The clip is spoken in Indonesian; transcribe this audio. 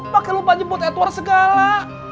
pakai lupa jemput edward segala